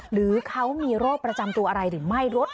หรือเขามีโรคประจำตัวอะไรหรือไม่รถ